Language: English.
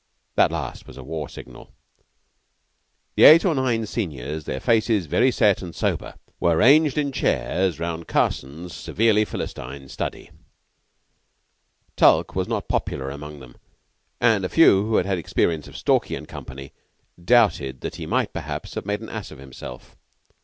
That last was a war signal. The eight or nine seniors, their faces very set and sober, were ranged in chairs round Carson's severely Philistine study. Tulke was not popular among them, and a few who had had experience of Stalky and Company doubted that he might, perhaps, have made an ass of himself.